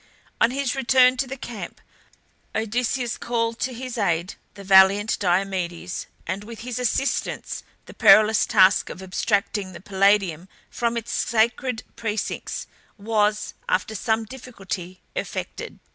On his return to the camp Odysseus called to his aid the valiant Diomedes, and with his assistance the perilous task of abstracting the Palladium from its sacred precincts was, after some difficulty, effected.